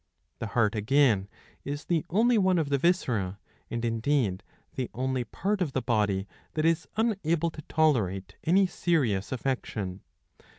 ^^ The heart again is the only one of the viscera, and indeed the only part of the body, that is unable to tolerate any serious affec tion.